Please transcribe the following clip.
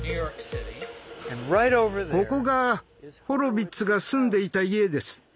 ここがホロヴィッツが住んでいた家です。